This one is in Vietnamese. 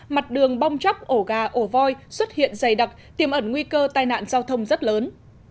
mặt đường bong chóc ổ gà ổ voi xuất hiện dày đặc tiềm ẩn nguy cơ tai nạn giao thông rất lớn